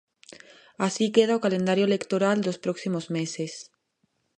Así queda o calendario electoral dos próximos meses.